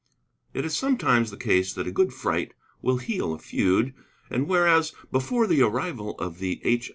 It is sometimes the case that a good fright will heal a feud. And whereas, before the arrival of the H.